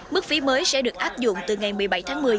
mức phí mới sẽ được áp dụng từ ngày một mươi bảy tháng một mươi